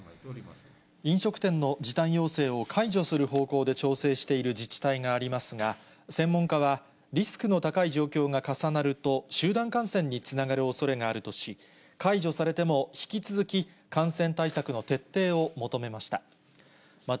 飲食店の時短要請を解除する方向で調整している自治体がありますが、専門家は、リスクの高い状況が重なると、集団感染につながるおそれがあるとし、解除されても、引き続き感染対策の徹底を求めました。